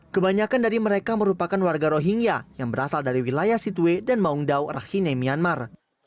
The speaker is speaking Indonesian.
kebanyakan dari mereka merupakan warga rohingya yang berasal dari wilayah sitwe dan maungdaw rahine myanmar